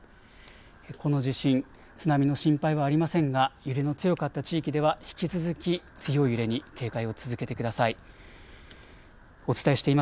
この地震津波の心配はありませんが揺れの強かった地域では引き続き強い揺れに警戒を続けてください。